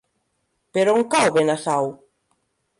Per on cau Benasau?